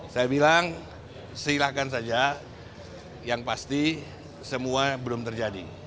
saya bilang silahkan saja yang pasti semua belum terjadi